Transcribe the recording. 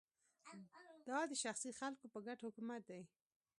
دا د شخصي خلکو په ګټه حکومت دی